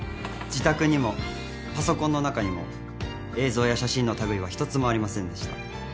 自宅にもパソコンの中にも映像や写真の類いは一つもありませんでした。